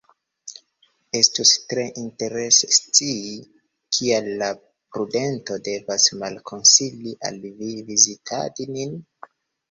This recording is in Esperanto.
Estus tre interese scii, kial la prudento devas malkonsili al vi vizitadi nin?